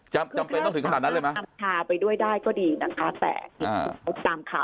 จำเป็นต้องถึงขนาดนั้นเลยไหม